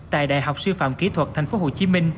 tại đại học sư phạm kỹ thuật tp hcm